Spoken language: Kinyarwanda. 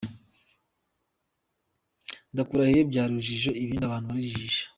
Ndakurahiye byari urujijo, ibindi abantu barijijisha!